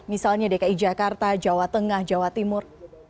misalnya dki jakarta jawa tengah jawa timur